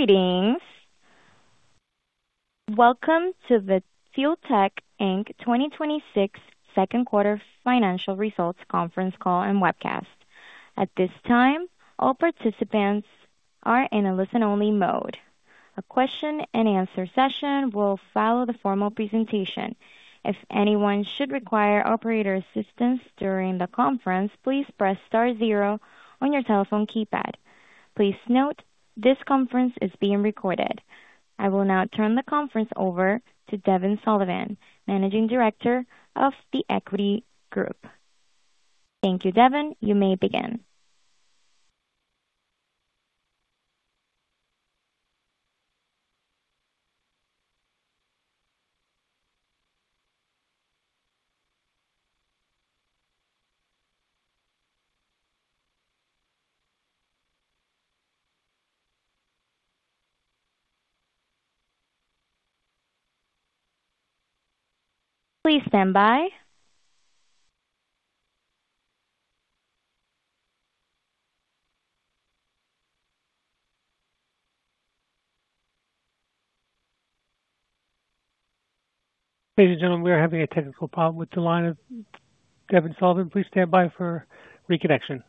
Greetings. Welcome to the Fuel Tech, Inc. 2026 second quarter financial results conference call and webcast. At this time, all participants are in a listen-only mode. A question-and-answer session will follow the formal presentation. If anyone should require operator assistance during the conference, please press star zero on your telephone keypad. Please note this conference is being recorded. I will now turn the conference over to Devin Sullivan, Managing Director of The Equity Group. Thank you, Devin. You may begin. Please stand by. Ladies and gentlemen, we are having a technical problem with the line of Devin Sullivan. Please stand by for reconnection.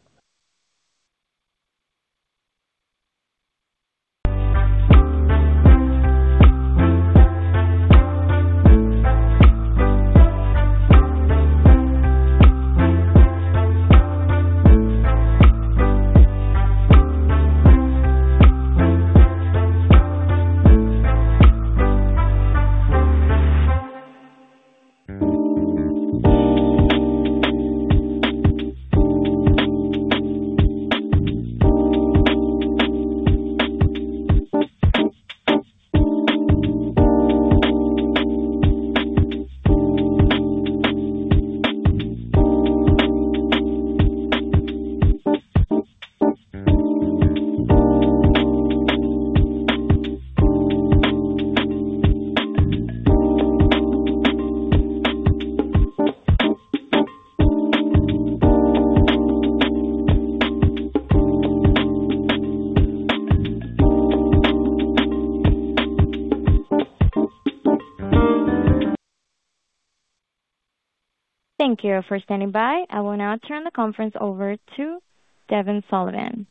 Thank you for standing by. I will now turn the conference over to Devin Sullivan.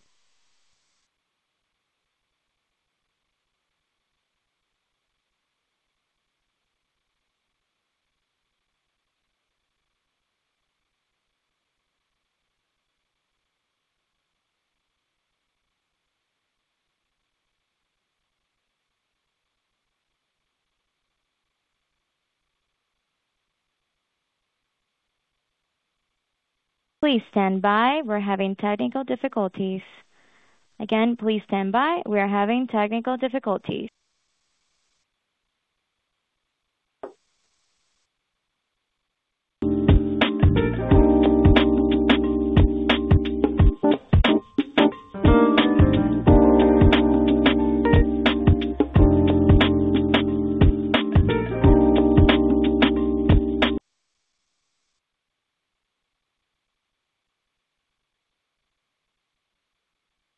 Please stand by. We are having technical difficulties. Again, please stand by. We are having technical difficulties.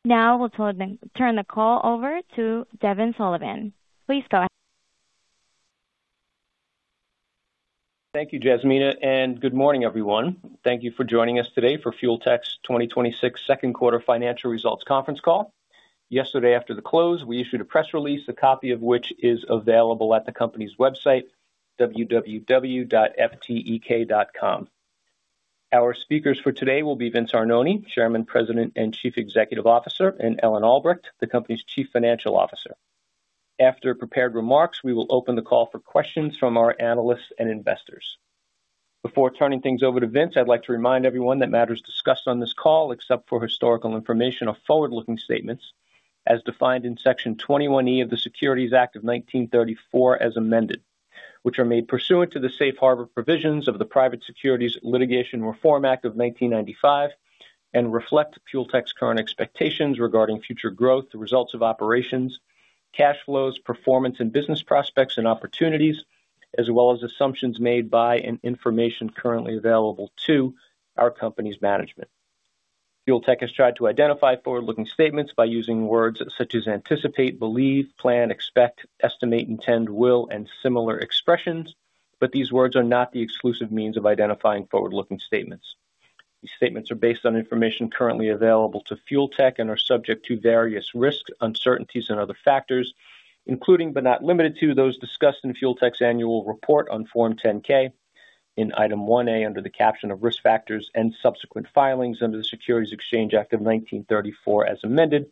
Now we'll turn the call over to Devin Sullivan. Please go ahead. Thank you, Jasmina. Good morning, everyone. Thank you for joining us today for Fuel Tech's 2026 second quarter financial results conference call. Yesterday after the close, we issued a press release, a copy of which is available at the company's website, www.ftek.com. Our speakers for today will be Vince Arnone, Chairman, President, and Chief Executive Officer, and Ellen Albrecht, the company's Chief Financial Officer. After prepared remarks, we will open the call for questions from our analysts and investors. Before turning things over to Vince, I'd like to remind everyone that matters discussed on this call, except for historical information, are forward-looking statements as defined in Section 21E of the Securities Exchange Act of 1934 as amended, which are made pursuant to the safe harbor provisions of the Private Securities Litigation Reform Act of 1995 and reflect Fuel Tech's current expectations regarding future growth, the results of operations, cash flows, performance in business prospects and opportunities, as well as assumptions made by and information currently available to our company's management. Fuel Tech has tried to identify forward-looking statements by using words such as anticipate, believe, plan, expect, estimate, intend, will, and similar expressions, these words are not the exclusive means of identifying forward-looking statements. These statements are based on information currently available to Fuel Tech and are subject to various risks, uncertainties, and other factors, including but not limited to those discussed in Fuel Tech's annual report on Form 10-K in Item 1A under the caption of Risk Factors and Subsequent Filings under the Securities Exchange Act of 1934 as amended,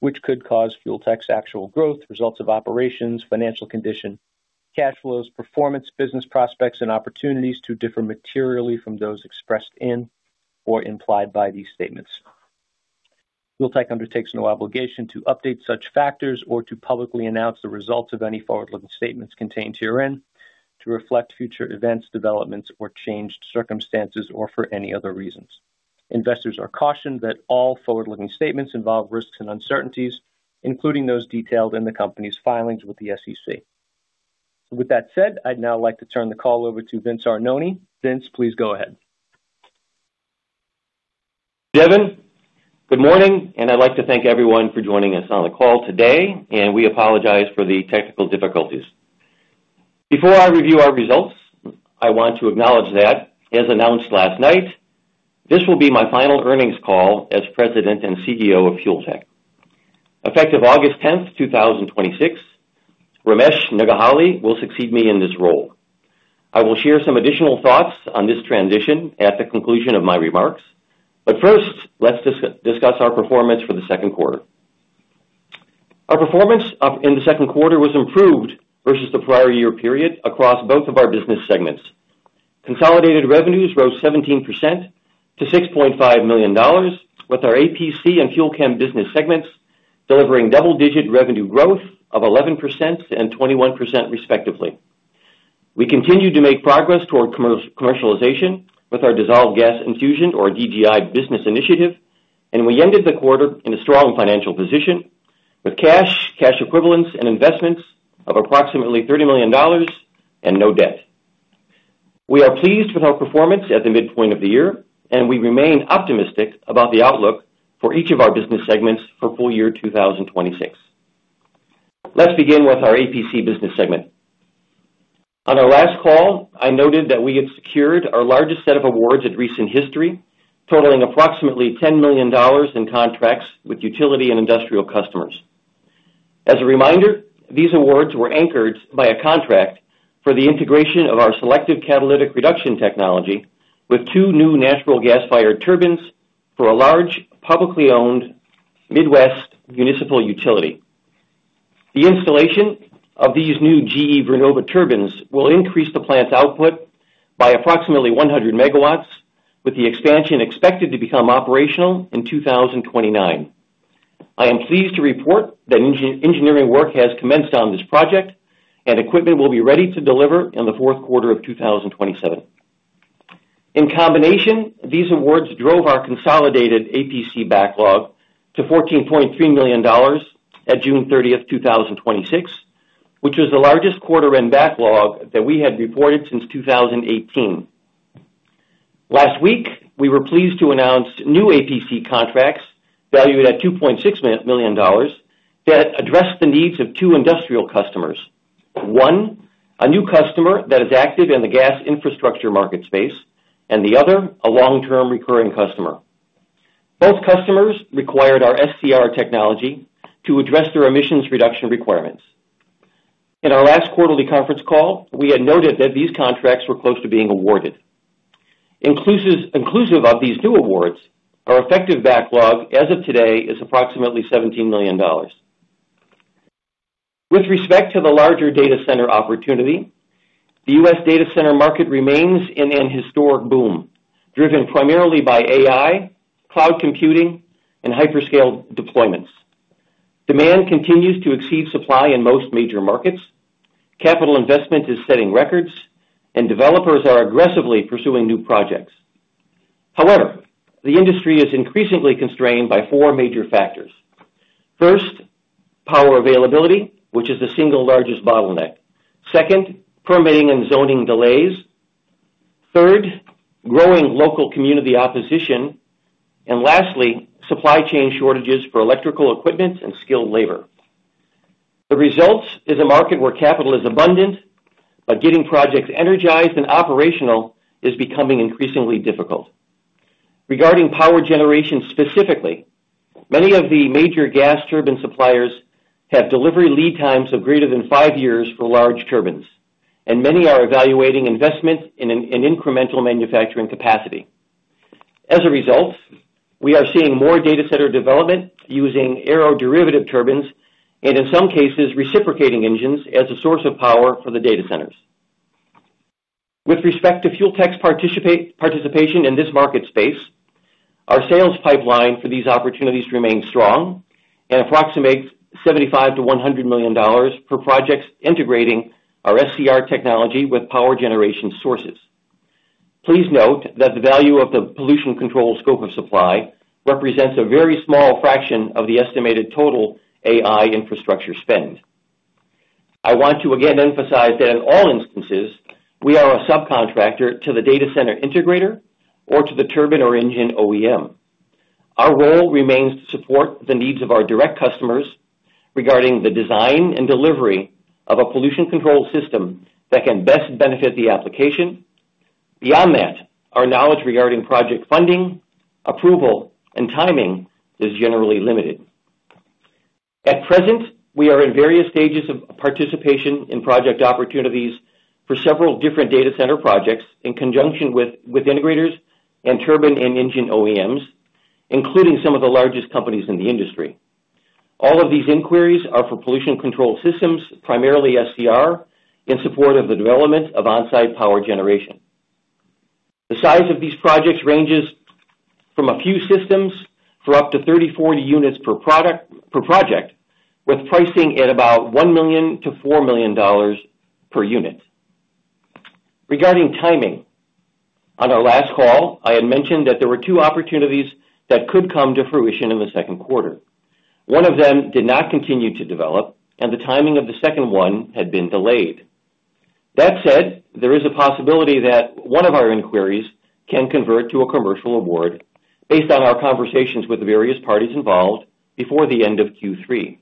which could cause Fuel Tech's actual growth, results of operations, financial condition, cash flows, performance, business prospects, and opportunities to differ materially from those expressed in or implied by these statements. Fuel Tech undertakes no obligation to update such factors or to publicly announce the results of any forward-looking statements contained herein to reflect future events, developments or changed circumstances or for any other reasons. Investors are cautioned that all forward-looking statements involve risks and uncertainties, including those detailed in the company's filings with the SEC. With that said, I'd now like to turn the call over to Vince Arnone. Vince, please go ahead. Devin. Good morning, I'd like to thank everyone for joining us on the call today, and we apologize for the technical difficulties. Before I review our results, I want to acknowledge that, as announced last night, this will be my final earnings call as President and CEO of Fuel Tech. Effective August 10th, 2026, Ramesh Nuggihalli will succeed me in this role. I will share some additional thoughts on this transition at the conclusion of my remarks. First, let's discuss our performance for the second quarter. Our performance in the second quarter was improved versus the prior year period across both of our business segments. Consolidated revenues rose 17% to $6.5 million, with our APC and FUEL CHEM business segments delivering double-digit revenue growth of 11% and 21%, respectively. We continued to make progress toward commercialization with our Dissolved Gas Infusion or DGI business initiative, and we ended the quarter in a strong financial position with cash equivalents, and investments of approximately $30 million and no debt. We are pleased with our performance at the midpoint of the year, and we remain optimistic about the outlook for each of our business segments for full year 2026. Let's begin with our APC business segment. On our last call, I noted that we had secured our largest set of awards in recent history, totaling approximately $10 million in contracts with utility and industrial customers. As a reminder, these awards were anchored by a contract for the integration of our Selective Catalytic Reduction technology with two new natural gas-fired turbines for a large, publicly owned Midwest municipal utility. The installation of these new GE Vernova turbines will increase the plant's output by approximately 100 MW, with the expansion expected to become operational in 2029. I am pleased to report that engineering work has commenced on this project, and equipment will be ready to deliver in the fourth quarter of 2027. In combination, these awards drove our consolidated APC backlog to $14.3 million at June 30, 2026, which was the largest quarter-end backlog that we had reported since 2018. Last week, we were pleased to announce new APC contracts valued at $2.6 million that address the needs of two industrial customers. One, a new customer that is active in the gas infrastructure market space, and the other, a long-term recurring customer. Both customers required our SCR technology to address their emissions reduction requirements. In our last quarterly conference call, we had noted that these contracts were close to being awarded. Inclusive of these new awards, our effective backlog as of today is approximately $17 million. With respect to the larger data center opportunity, the U.S. data center market remains in an historic boom, driven primarily by AI, cloud computing, and hyperscale deployments. Demand continues to exceed supply in most major markets. Capital investment is setting records, and developers are aggressively pursuing new projects. However, the industry is increasingly constrained by four major factors. First, power availability, which is the single largest bottleneck. Second, permitting and zoning delays. Third, growing local community opposition. Lastly, supply chain shortages for electrical equipment and skilled labor. The result is a market where capital is abundant, but getting projects energized and operational is becoming increasingly difficult. Regarding power generation specifically, many of the major gas turbine suppliers have delivery lead times of greater than five years for large turbines, and many are evaluating investment in incremental manufacturing capacity. As a result, we are seeing more data center development using aeroderivative turbines and in some cases, reciprocating engines as a source of power for the data centers. With respect to Fuel Tech's participation in this market space, our sales pipeline for these opportunities remains strong and approximates $75 million-$100 million for projects integrating our SCR technology with power generation sources. Please note that the value of the pollution control scope of supply represents a very small fraction of the estimated total AI infrastructure spend. I want to again emphasize that in all instances, we are a subcontractor to the data center integrator or to the turbine or engine OEM. Our role remains to support the needs of our direct customers regarding the design and delivery of a pollution control system that can best benefit the application. Beyond that, our knowledge regarding project funding, approval, and timing is generally limited. At present, we are in various stages of participation in project opportunities for several different data center projects in conjunction with integrators and turbine and engine OEMs, including some of the largest companies in the industry. All of these inquiries are for pollution control systems, primarily SCR, in support of the development of on-site power generation. The size of these projects ranges from a few systems for up to 30, 40 units per project, with pricing at about $1 million-$4 million per unit. Regarding timing, on our last call, I had mentioned that there were two opportunities that could come to fruition in the second quarter. One of them did not continue to develop, and the timing of the second one had been delayed. That said, there is a possibility that one of our inquiries can convert to a commercial award based on our conversations with the various parties involved before the end of Q3.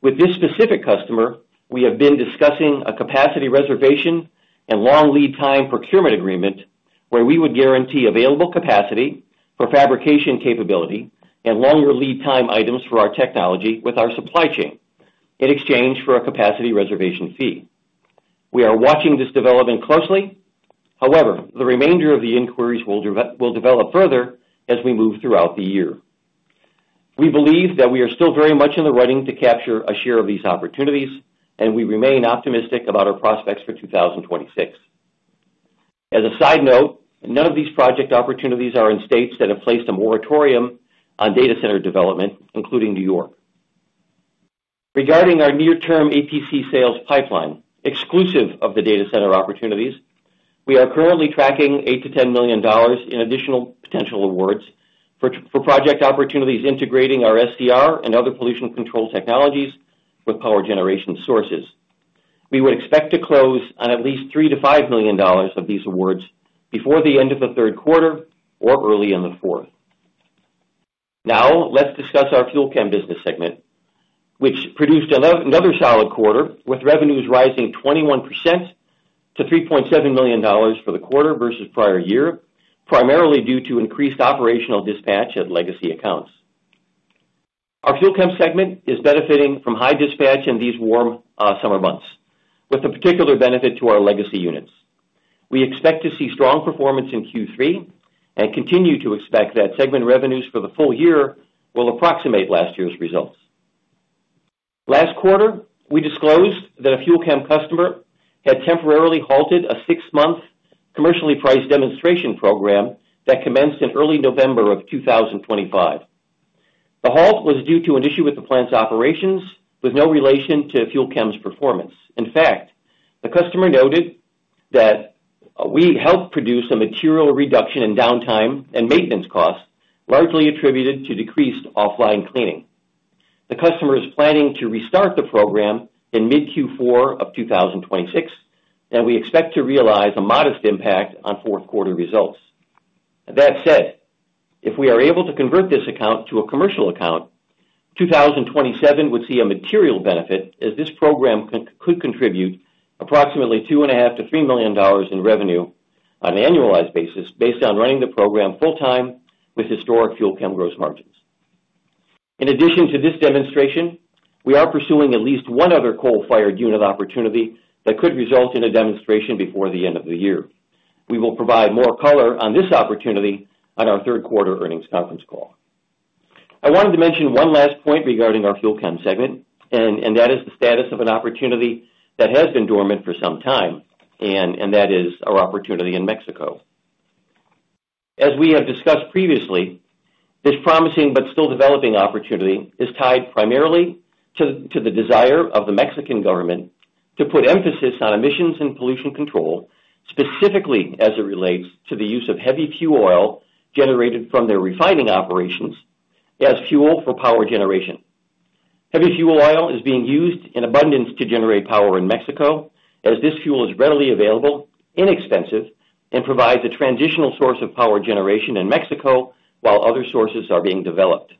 With this specific customer, we have been discussing a capacity reservation and long lead time procurement agreement where we would guarantee available capacity for fabrication capability and longer lead time items for our technology with our supply chain in exchange for a capacity reservation fee. We are watching this development closely. The remainder of the inquiries will develop further as we move throughout the year. We believe that we are still very much in the running to capture a share of these opportunities, and we remain optimistic about our prospects for 2026. As a side note, none of these project opportunities are in states that have placed a moratorium on data center development, including New York. Regarding our near-term APC sales pipeline, exclusive of the data center opportunities, we are currently tracking $8 million-$10 million in additional potential awards for project opportunities integrating our SCR and other pollution control technologies with power generation sources. We would expect to close on at least $3 million-$5 million of these awards before the end of the third quarter or early in the fourth. Now, let's discuss our FUEL CHEM business segment, which produced another solid quarter with revenues rising 21% to $3.7 million for the quarter versus prior year, primarily due to increased operational dispatch at legacy accounts. Our FUEL CHEM segment is benefiting from high dispatch in these warm summer months with a particular benefit to our legacy units. We expect to see strong performance in Q3 and continue to expect that segment revenues for the full year will approximate last year's results. Last quarter, we disclosed that a FUEL CHEM customer had temporarily halted a six-month commercially priced demonstration program that commenced in early November of 2025. The halt was due to an issue with the plant's operations with no relation to FUEL CHEM's performance. In fact, the customer noted that we helped produce a material reduction in downtime and maintenance costs, largely attributed to decreased offline cleaning. The customer is planning to restart the program in mid-Q4 of 2026, and we expect to realize a modest impact on fourth quarter results. That said, if we are able to convert this account to a commercial account, 2027 would see a material benefit as this program could contribute approximately $2.5 million-$3 million in revenue on an annualized basis, based on running the program full-time with historic FUEL CHEM gross margins. In addition to this demonstration, we are pursuing at least one other coal-fired unit opportunity that could result in a demonstration before the end of the year. We will provide more color on this opportunity on our third quarter earnings conference call. I wanted to mention one last point regarding our FUEL CHEM segment, and that is the status of an opportunity that has been dormant for some time, and that is our opportunity in Mexico. As we have discussed previously, this promising but still developing opportunity is tied primarily to the desire of the Mexican government to put emphasis on emissions and pollution control, specifically as it relates to the use of heavy fuel oil generated from their refining operations as fuel for power generation. Heavy fuel oil is being used in abundance to generate power in Mexico as this fuel is readily available, inexpensive, and provides a transitional source of power generation in Mexico while other sources are being developed.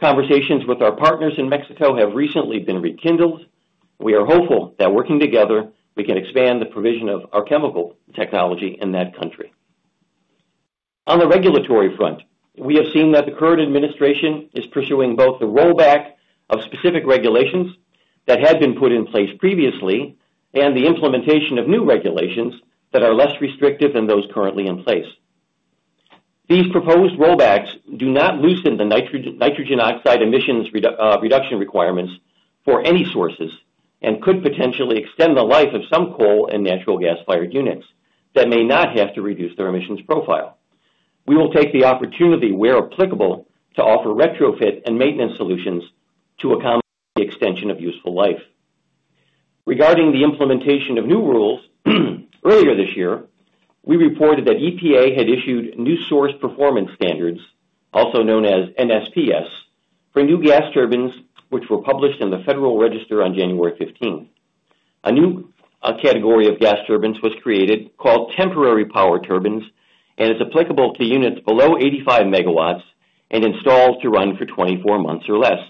Conversations with our partners in Mexico have recently been rekindled. We are hopeful that working together, we can expand the provision of our chemical technology in that country. On the regulatory front, we have seen that the current administration is pursuing both the rollback of specific regulations that had been put in place previously and the implementation of new regulations that are less restrictive than those currently in place. These proposed rollbacks do not loosen the nitrogen oxide emissions reduction requirements for any sources and could potentially extend the life of some coal and natural gas-fired units that may not have to reduce their emissions profile. We will take the opportunity where applicable to offer retrofit and maintenance solutions to accommodate the extension of useful life. Regarding the implementation of new rules, earlier this year, we reported that EPA had issued new source performance standards, also known as NSPS, for new gas turbines, which were published in the Federal Register on January 15th. A new category of gas turbines was created, called temporary power turbines, and is applicable to units below 85 MW and installed to run for 24 months or less.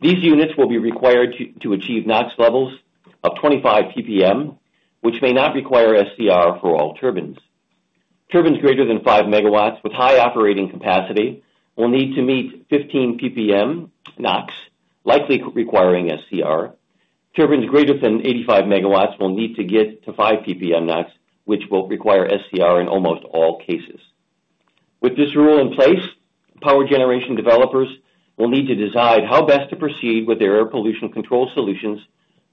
These units will be required to achieve NOx levels of 25 PPM, which may not require SCR for all turbines. Turbines greater than 5MW with high operating capacity will need to meet 15 PPM NOx, likely requiring SCR. Turbines greater than 85 MW will need to get to five PPM NOx, which will require SCR in almost all cases. With this rule in place, power generation developers will need to decide how best to proceed with their air pollution control solutions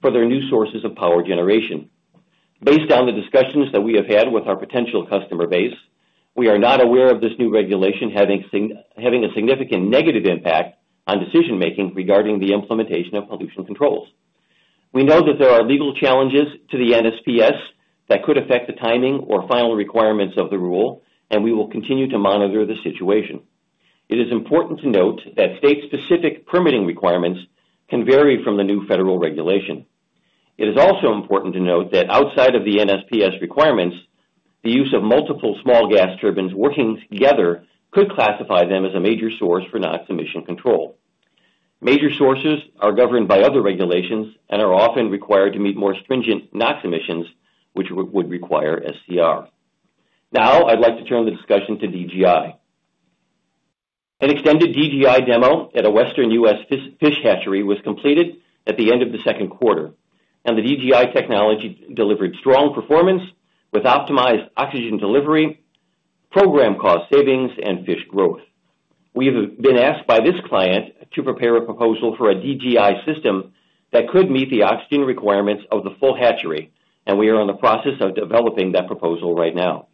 for their new sources of power generation. Based on the discussions that we have had with our potential customer base, we are not aware of this new regulation having a significant negative impact on decision-making regarding the implementation of pollution controls. We know that there are legal challenges to the NSPS that could affect the timing or final requirements of the rule, and we will continue to monitor the situation. It is important to note that state-specific permitting requirements can vary from the new federal regulation. It is also important to note that outside of the NSPS requirements, the use of multiple small gas turbines working together could classify them as a major source for NOx emission control. Major sources are governed by other regulations and are often required to meet more stringent NOx emissions, which would require SCR. I'd like to turn the discussion to DGI. An extended DGI demo at a Western U.S. fish hatchery was completed at the end of the second quarter, and the DGI technology delivered strong performance with optimized oxygen delivery, program cost savings, and fish growth. We have been asked by this client to prepare a proposal for a DGI system that could meet the oxygen requirements of the full hatchery, and we are in the process of developing that proposal right now.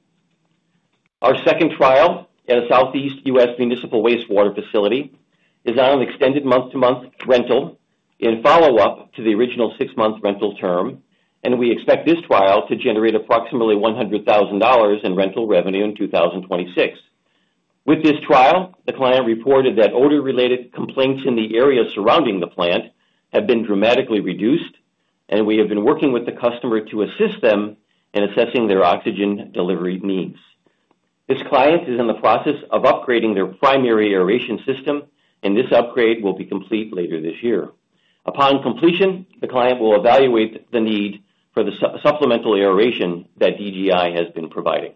Our second trial at a Southeast U.S. municipal wastewater facility is on an extended month-to-month rental in follow-up to the original six-month rental term, and we expect this trial to generate approximately $100,000 in rental revenue in 2026. With this trial, the client reported that odor-related complaints in the area surrounding the plant have been dramatically reduced, and we have been working with the customer to assist them in assessing their oxygen delivery needs. This client is in the process of upgrading their primary aeration system, and this upgrade will be complete later this year. Upon completion, the client will evaluate the need for the supplemental aeration that DGI has been providing.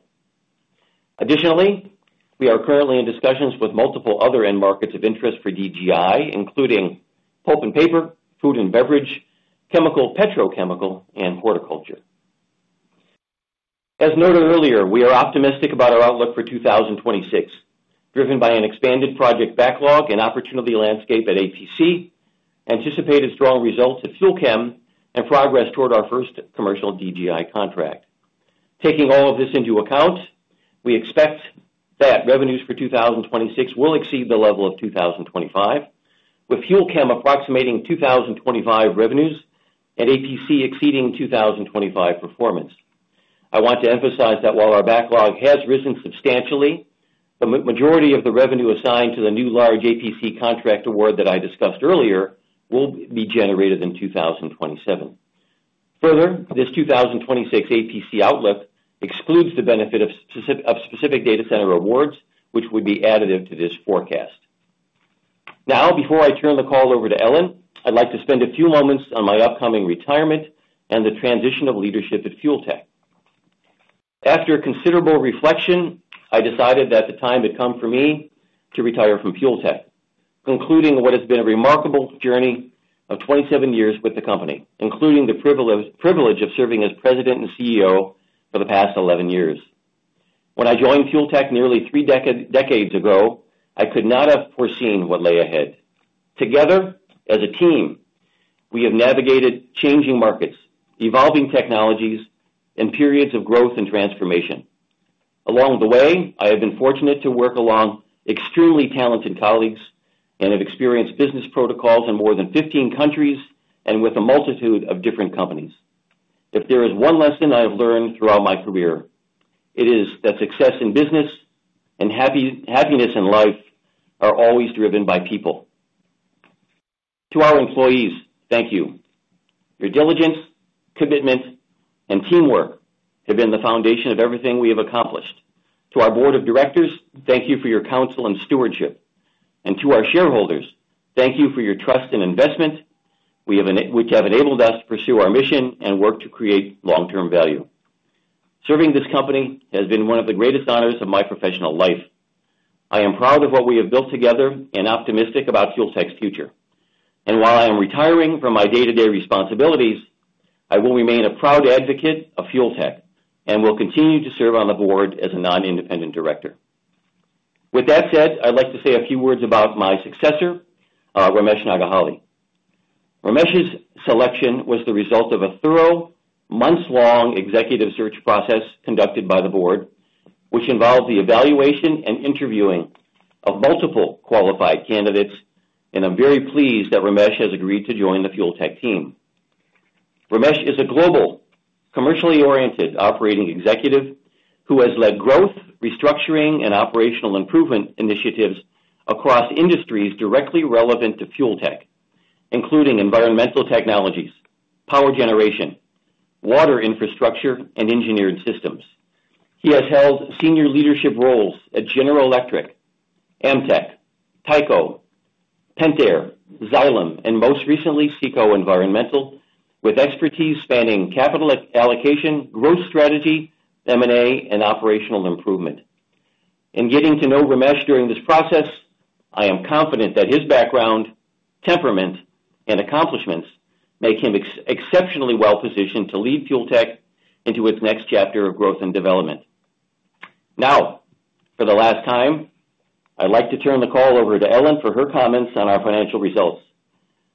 Additionally, we are currently in discussions with multiple other end markets of interest for DGI, including pulp and paper, food and beverage, chemical, petrochemical, and horticulture. As noted earlier, we are optimistic about our outlook for 2026, driven by an expanded project backlog and opportunity landscape at APC, anticipated strong results at FUEL CHEM, and progress toward our first commercial DGI contract. Taking all of this into account, we expect that revenues for 2026 will exceed the level of 2025, with FUEL CHEM approximating 2025 revenues and APC exceeding 2025 performance. I want to emphasize that while our backlog has risen substantially, the majority of the revenue assigned to the new large APC contract award that I discussed earlier will be generated in 2027. This 2026 APC outlook excludes the benefit of specific data center awards, which would be additive to this forecast. Before I turn the call over to Ellen, I'd like to spend a few moments on my upcoming retirement and the transition of leadership at Fuel Tech. After considerable reflection, I decided that the time had come for me to retire from Fuel Tech, concluding what has been a remarkable journey of 27 years with the company, including the privilege of serving as President and CEO for the past 11 years. When I joined Fuel Tech nearly three decades ago, I could not have foreseen what lay ahead. Together, as a team, we have navigated changing markets, evolving technologies, and periods of growth and transformation. Along the way, I have been fortunate to work along extremely talented colleagues and have experienced business protocols in more than 15 countries and with a multitude of different companies. If there is one lesson I have learned throughout my career, it is that success in business and happiness in life are always driven by people. To our employees, thank you. Your diligence, commitment, and teamwork have been the foundation of everything we have accomplished. To our Board of Directors, thank you for your counsel and stewardship. To our shareholders, thank you for your trust and investment which have enabled us to pursue our mission and work to create long-term value. Serving this company has been one of the greatest honors of my professional life. I am proud of what we have built together and optimistic about Fuel Tech's future. While I am retiring from my day-to-day responsibilities, I will remain a proud advocate of Fuel Tech and will continue to serve on the Board as a Non-Independent Director. With that said, I'd like to say a few words about my successor, Ramesh Nuggihalli. Ramesh's selection was the result of a thorough, months-long executive search process conducted by the board, which involved the evaluation and interviewing of multiple qualified candidates. I'm very pleased that Ramesh has agreed to join the Fuel Tech team. Ramesh is a global, commercially oriented operating executive who has led growth, restructuring, and operational improvement initiatives across industries directly relevant to Fuel Tech, including environmental technologies, power generation, water infrastructure, and engineered systems. He has held senior leadership roles at General Electric, AMETEK, Tyco, Pentair, Xylem, and most recently, CECO Environmental, with expertise spanning capital allocation, growth strategy, M&A, and operational improvement. In getting to know Ramesh during this process, I am confident that his background, temperament, and accomplishments make him exceptionally well-positioned to lead Fuel Tech into its next chapter of growth and development. Now, for the last time, I'd like to turn the call over to Ellen for her comments on our financial results.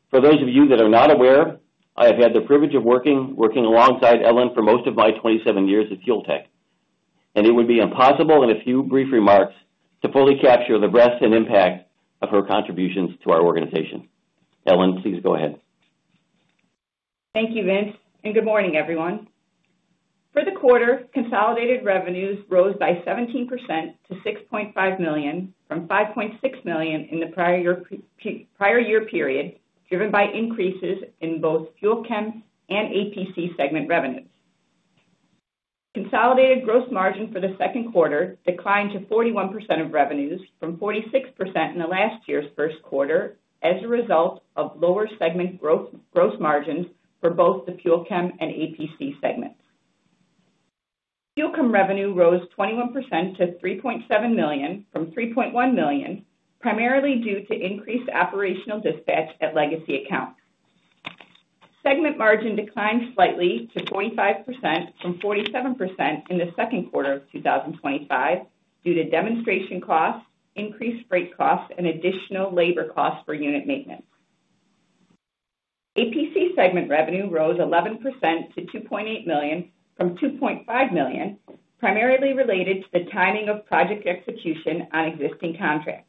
For those of you that are not aware, I have had the privilege of working alongside Ellen for most of my 27 years at Fuel Tech. It would be impossible in a few brief remarks to fully capture the breadth and impact of her contributions to our organization. Ellen, please go ahead. Thank you, Vince, and good morning, everyone. For the quarter, consolidated revenues rose by 17% to $6.5 million from $5.6 million in the prior year period, driven by increases in both FUEL CHEM and APC segment revenues. Consolidated gross margin for the second quarter declined to 41% of revenues from 46% in the last year's first quarter as a result of lower segment gross margins for both the FUEL CHEM and APC segments. FUEL CHEM revenue rose 21% to $3.7 million from $3.1 million, primarily due to increased operational dispatch at legacy accounts. Segment margin declined slightly to 45% from 47% in the second quarter of 2025 due to demonstration costs, increased freight costs, and additional labor costs per unit maintenance. APC segment revenue rose 11% to $2.8 million from $2.5 million, primarily related to the timing of project execution on existing contracts.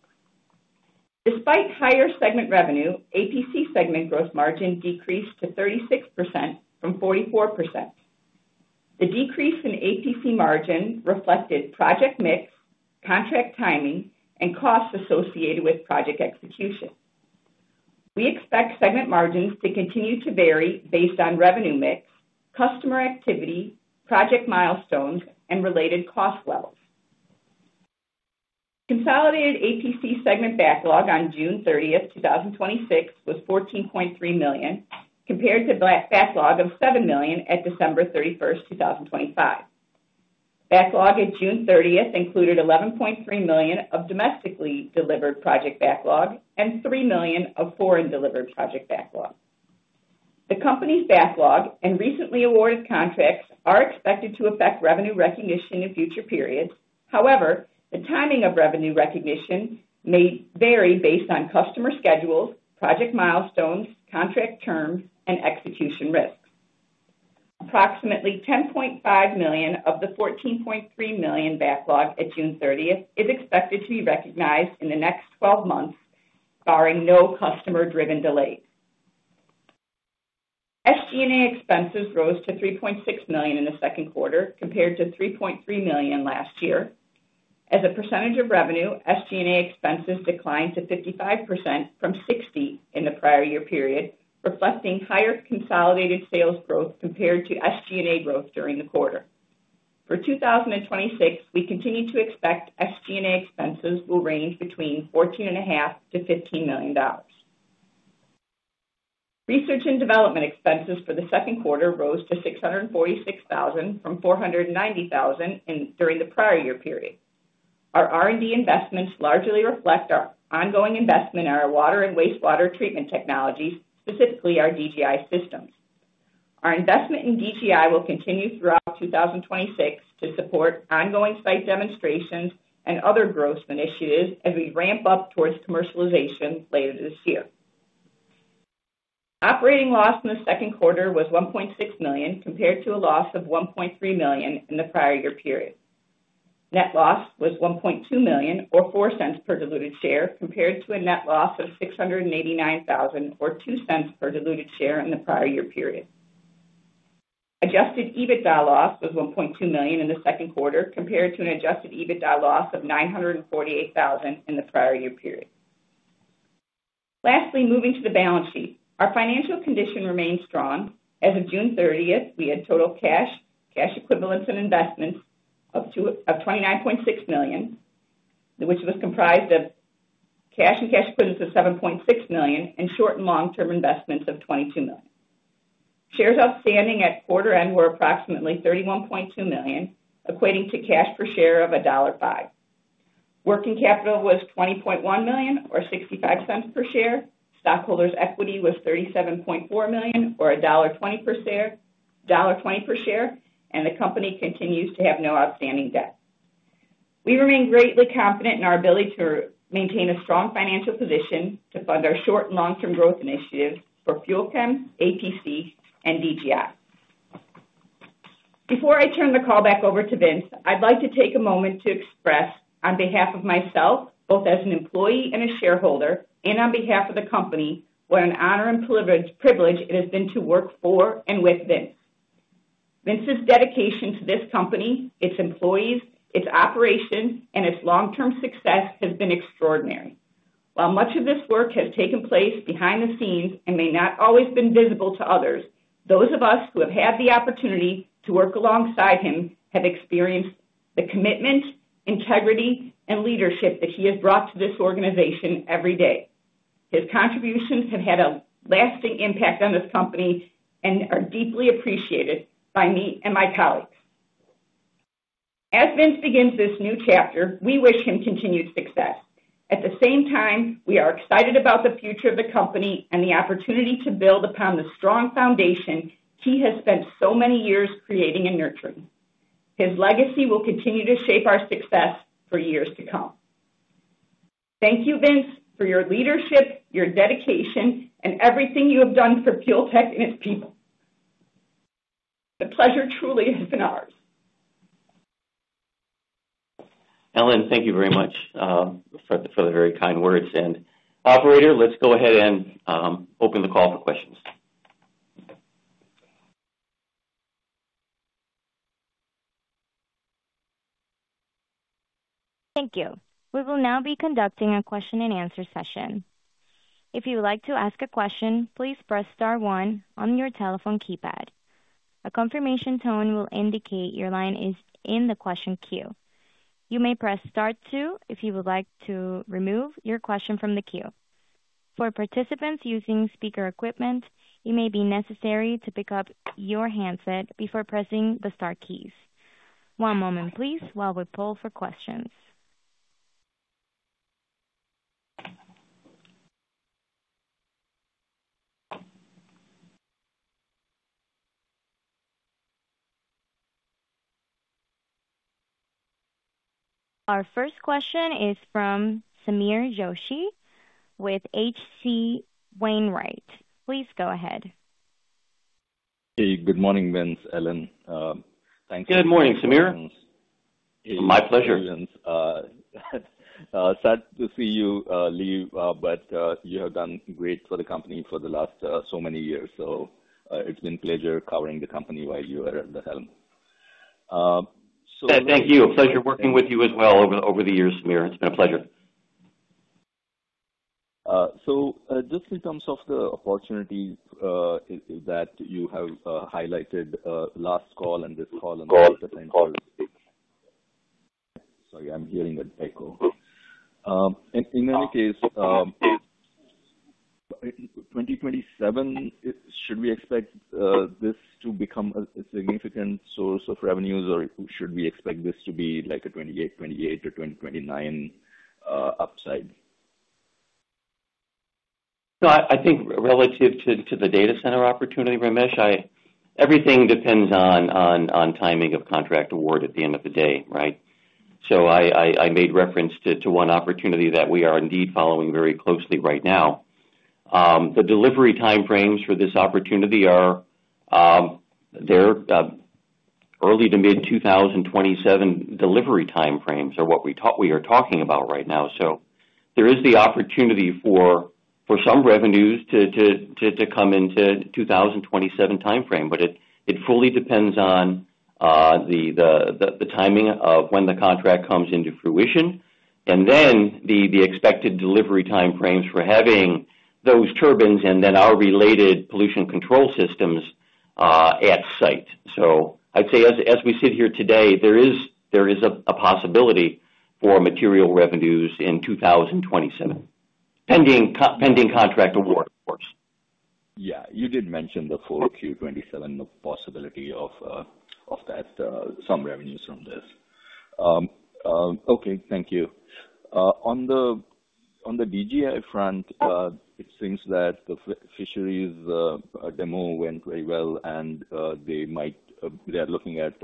Despite higher segment revenue, APC segment gross margin decreased to 36% from 44%. The decrease in APC margin reflected project mix, contract timing, and costs associated with project execution. We expect segment margins to continue to vary based on revenue mix, customer activity, project milestones, and related cost levels. Consolidated APC segment backlog on June 30th, 2026, was $14.3 million, compared to backlog of $7 million at December 31st, 2025. Backlog at June 30th included $11.3 million of domestically delivered project backlog and $3 million of foreign delivered project backlog. The company's backlog and recently awarded contracts are expected to affect revenue recognition in future periods. However, the timing of revenue recognition may vary based on customer schedules, project milestones, contract terms, and execution risks. Approximately $10.5 million of the $14.3 million backlog at June 30th is expected to be recognized in the next 12 months, barring no customer-driven delays. SG&A expenses rose to $3.6 million in the second quarter compared to $3.3 million last year. As a percentage of revenue, SG&A expenses declined to 55% from 60% in the prior year period, reflecting higher consolidated sales growth compared to SG&A growth during the quarter. For 2026, we continue to expect SG&A expenses will range between $14.5 million-$15 million. Research and development expenses for the second quarter rose to $646,000 from $490,000 during the prior year period. Our R&D investments largely reflect our ongoing investment in our water and wastewater treatment technologies, specifically our DGI systems. Our investment in DGI will continue throughout 2026 to support ongoing site demonstrations and other growth initiatives as we ramp up towards commercialization later this year. Operating loss in the second quarter was $1.6 million, compared to a loss of $1.3 million in the prior year period. Net loss was $1.2 million or $0.04 per diluted share, compared to a net loss of $689,000 or $0.02 per diluted share in the prior year period. Adjusted EBITDA loss was $1.2 million in the second quarter compared to an adjusted EBITDA loss of $948,000 in the prior year period. Lastly, moving to the balance sheet. Our financial condition remains strong. As of June 30th, we had total cash equivalents and investments of $29.6 million, which was comprised of cash and cash equivalents of $7.6 million and short and long-term investments of $22 million. Shares outstanding at quarter end were approximately $31.2 million, equating to cash per share of $1.5. Working capital was $20.1 million or $0.65 per share. Stockholders' equity was $37.4 million or $1.20 per share, and the company continues to have no outstanding debt. We remain greatly confident in our ability to maintain a strong financial position to fund our short and long-term growth initiatives for FUEL CHEM, APC, and DGI. Before I turn the call back over to Vince, I'd like to take a moment to express on behalf of myself, both as an employee and a shareholder, and on behalf of the company, what an honor and privilege it has been to work for and with Vince. Vince's dedication to this company, its employees, its operations, and its long-term success has been extraordinary. While much of this work has taken place behind the scenes and may not always been visible to others, those of us who have had the opportunity to work alongside him have experienced the commitment, integrity, and leadership that he has brought to this organization every day. His contributions have had a lasting impact on this company and are deeply appreciated by me and my colleagues. As Vince begins this new chapter, we wish him continued success. At the same time, we are excited about the future of the company and the opportunity to build upon the strong foundation he has spent so many years creating and nurturing. His legacy will continue to shape our success for years to come. Thank you, Vince, for your leadership, your dedication, and everything you have done for Fuel Tech and its people. The pleasure truly has been ours. Ellen, thank you very much for the very kind words. Operator, let's go ahead and open the call for questions. Thank you. We will now be conducting a question-and-answer session. If you would like to ask a question, please press star one on your telephone keypad. A confirmation tone will indicate your line is in the question queue. You may press star two if you would like to remove your question from the queue. For participants using speaker equipment, it may be necessary to pick up your handset before pressing the star keys. One moment please while we poll for questions. Our first question is from Sameer Joshi with H.C. Wainwright. Please go ahead. Hey, good morning, Vince, Ellen. Good morning, Sameer. My pleasure. Sad to see you leave, but you have done great for the company for the last so many years. It's been a pleasure covering the company while you are at the helm. Thank you. A pleasure working with you as well over the years, Sameer. It's been a pleasure. Just in terms of the opportunities that you have highlighted last call and this call and all the potential Sorry, I'm hearing an echo. In any case, 2027, should we expect this to become a significant source of revenues or should we expect this to be like a 2028 or 2029 upside? No, I think relative to the data center opportunity, Ramesh, everything depends on timing of contract award at the end of the day, right? I made reference to one opportunity that we are indeed following very closely right now. The delivery time frames for this opportunity are early to mid-2027 delivery time frames are what we are talking about right now. There is the opportunity for some revenues to come into 2027 time frame. It fully depends on the timing of when the contract comes into fruition and then the expected delivery time frames for having those turbines and then our related pollution control systems at site. I'd say as we sit here today, there is a possibility for material revenues in 2027, pending contract award, of course. Yeah, you did mention the full Q27, the possibility of that, some revenues from this. Okay, thank you. On the DGI front, it seems that the fisheries demo went very well and they are looking at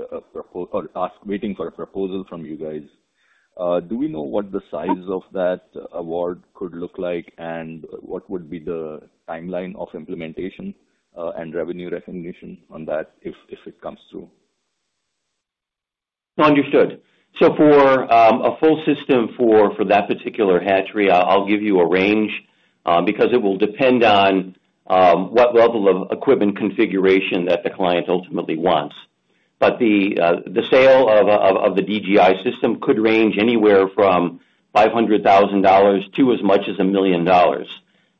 waiting for a proposal from you guys. Do we know what the size of that award could look like and what would be the timeline of implementation and revenue recognition on that if it comes through? Understood. For a full system for that particular hatchery, I'll give you a range, because it will depend on what level of equipment configuration that the client ultimately wants. The sale of the DGI system could range anywhere from $500,000 to as much as $1 million,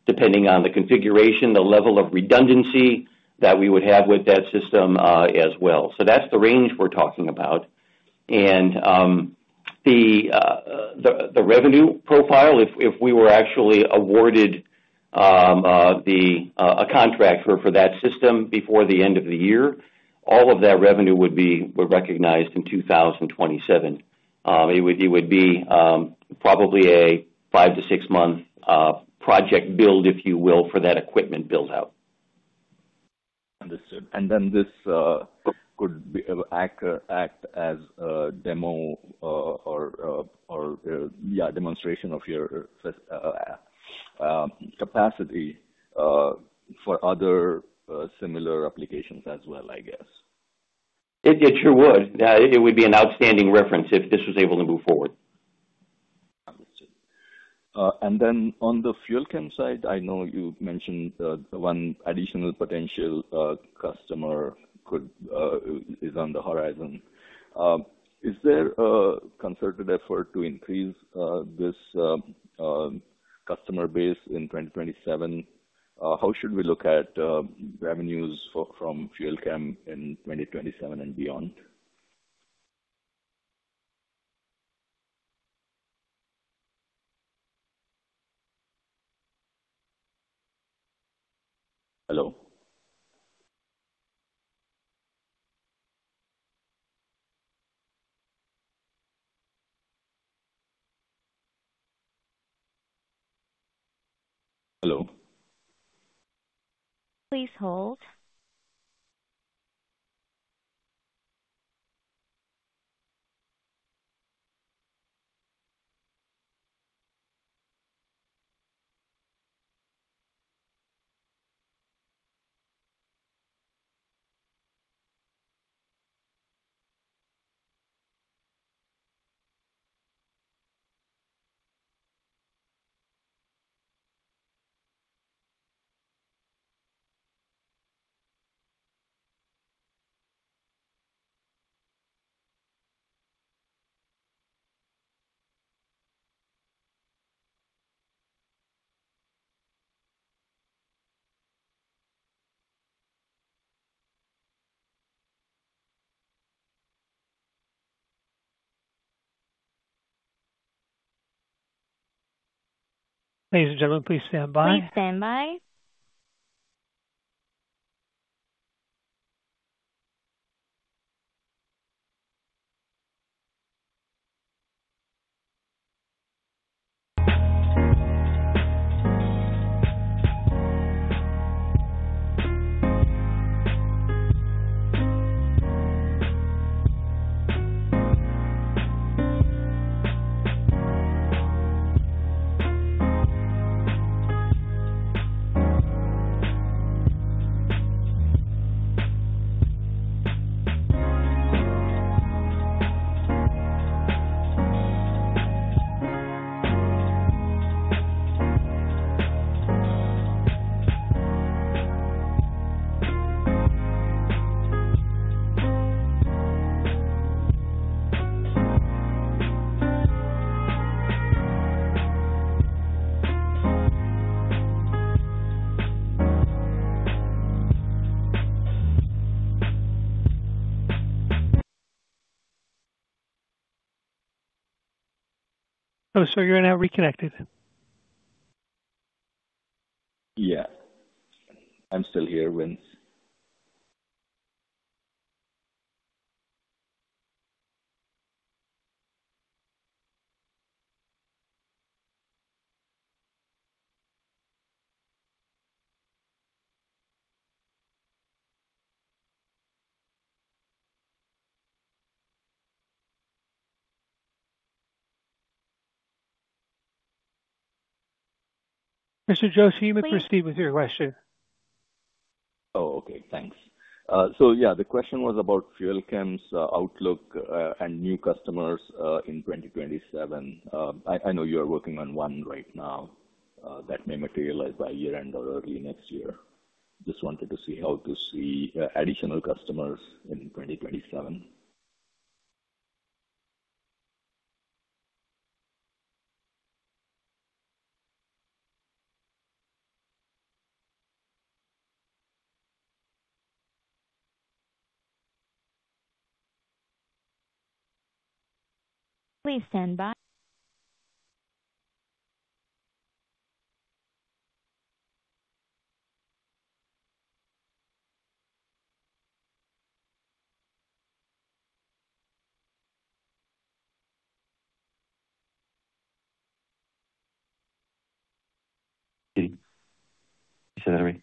depending on the configuration, the level of redundancy that we would have with that system as well. That's the range we're talking about. The revenue profile, if we were actually awarded a contract for that system before the end of the year, all of that revenue would be recognized in 2027. It would be probably a five to six month project build, if you will, for that equipment build-out. Understood. This could act as a demonstration of your capacity for other similar applications as well, I guess. It sure would. It would be an outstanding reference if this was able to move forward. Then on the FUEL CHEM side, I know you mentioned that one additional potential customer is on the horizon. Is there a concerted effort to increase this customer base in 2027? How should we look at revenues from FUEL CHEM in 2027 and beyond? Hello? Hello? Please hold. Ladies and gentlemen, please stand by. Please stand by. Oh, you're now reconnected. Yeah. I'm still here, Vince. Mr. Joshi, you may proceed with your question. Oh, okay, thanks. The question was about Fuel Tech's outlook and new customers in 2027. I know you're working on one right now that may materialize by year-end or early next year. Wanted to see how to see additional customers in 2027. Please stand by. You said that to me.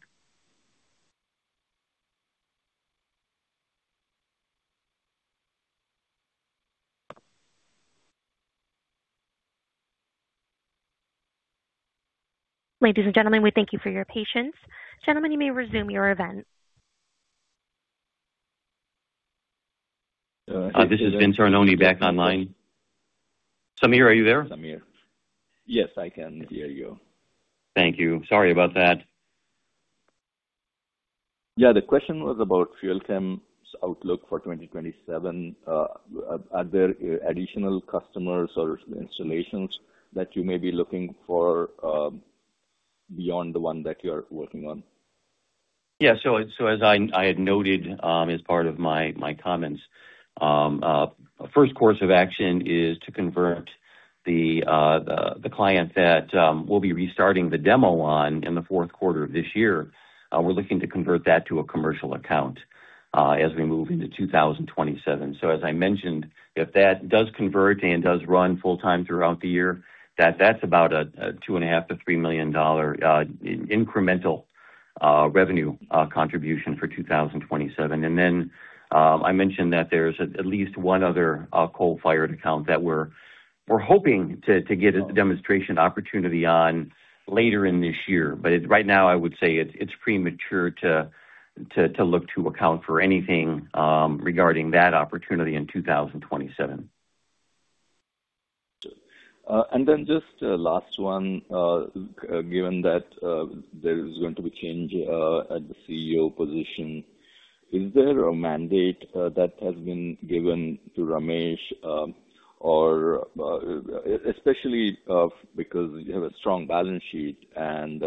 Ladies and gentlemen, we thank you for your patience. Gentlemen, you may resume your event. This is Vince Arnone back online. Sameer, are you there? Sameer. Yes, I can hear you. Thank you. Sorry about that. Yeah, the question was about Fuel Tech's outlook for 2027. Are there additional customers or installations that you may be looking for beyond the one that you're working on? As I had noted as part of my comments, first course of action is to convert the client that we'll be restarting the demo on in the fourth quarter of this year. We're looking to convert that to a commercial account as we move into 2027. As I mentioned, if that does convert and does run full time throughout the year, that's about a $2.5 million-$3 million incremental revenue contribution for 2027. I mentioned that there's at least one other coal-fired account that we're hoping to get a demonstration opportunity on later in this year. Right now, I would say it's premature to look to account for anything regarding that opportunity in 2027. Just last one. Given that there is going to be change at the CEO position, is there a mandate that has been given to Ramesh? Especially because you have a strong balance sheet and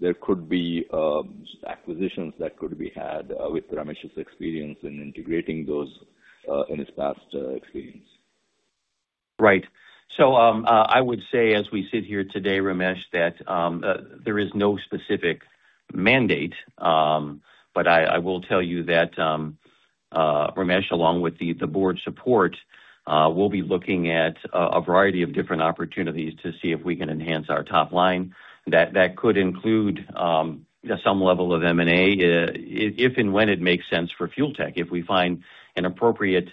there could be acquisitions that could be had with Ramesh's experience in integrating those in his past experience. Right. I would say as we sit here today, Ramesh, that there is no specific mandate. I will tell you that Ramesh, along with the board support, will be looking at a variety of different opportunities to see if we can enhance our top line. That could include some level of M&A if and when it makes sense for Fuel Tech, if we find an appropriate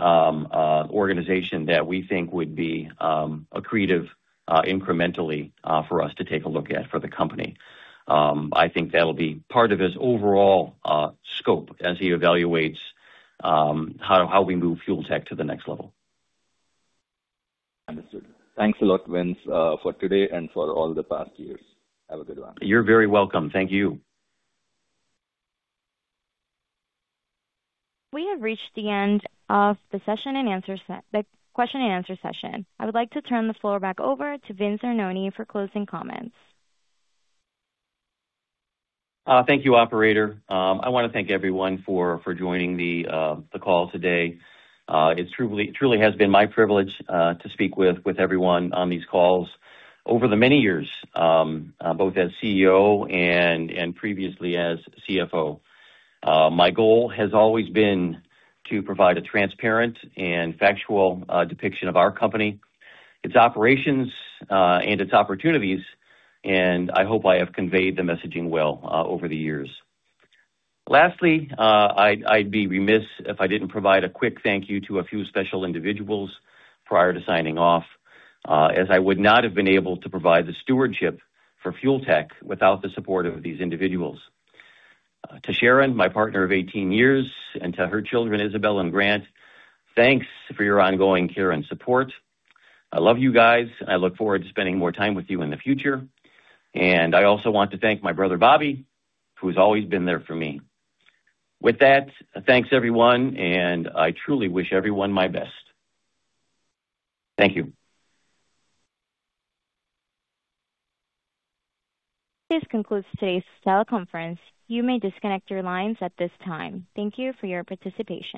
organization that we think would be accretive incrementally for us to take a look at for the company. I think that'll be part of his overall scope as he evaluates how we move Fuel Tech to the next level. Understood. Thanks a lot, Vince, for today and for all the past years. Have a good one. You're very welcome. Thank you. We have reached the end of the question-and-answer session. I would like to turn the floor back over to Vince Arnone for closing comments. Thank you, operator. I want to thank everyone for joining the call today. It truly has been my privilege to speak with everyone on these calls over the many years, both as CEO and previously as CFO. My goal has always been to provide a transparent and factual depiction of our company, its operations, and its opportunities. I hope I have conveyed the messaging well over the years. Lastly, I'd be remiss if I didn't provide a quick thank you to a few special individuals prior to signing off, as I would not have been able to provide the stewardship for Fuel Tech without the support of these individuals. To Sharon, my partner of 18 years, and to her children, Isabelle and Grant, thanks for your ongoing care and support. I love you guys. I look forward to spending more time with you in the future. I also want to thank my brother, Bobby, who's always been there for me. With that, thanks everyone, and I truly wish everyone my best. Thank you. This concludes today's teleconference. You may disconnect your lines at this time. Thank you for your participation.